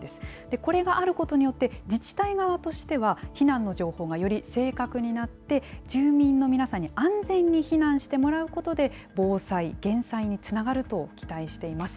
これがあることによって、自治体側としては、避難の情報がより正確になって、住民の皆さんに安全に避難してもらうことで、防災・減災につながると期待しています。